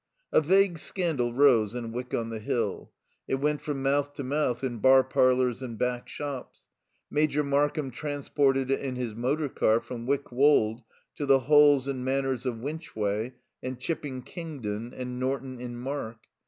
A vague scandal rose in Wyck on the Hill. It went from mouth to mouth in bar parlours and back shops; Major Markham transported it in his motor car from Wyck Wold to the Halls and Manors of Winchway and Chipping Kingdon and Norton in Mark.